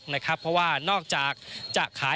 วันนี้ครับผมจะพาคุณผู้ชมทุกท่านเนี่ย